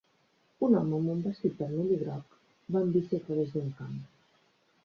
Un home amb un vestit vermell i groc va en bici a través d'un camp.